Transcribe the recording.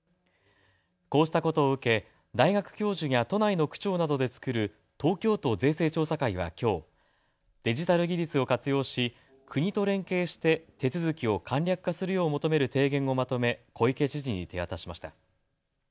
こうしたことを受け大学教授や都内の区長などで作る東京都税制調査会はきょうデジタル技術を活用し国と連携して手続きを簡略化するよう求める提言をまとめ小池知事に手渡しました。